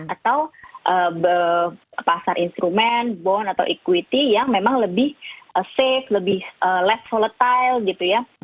atau pasar instrumen bond atau equity yang memang lebih safe lebih less volatile gitu ya